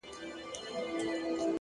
وخت د هر عمل نښه پرېږدي.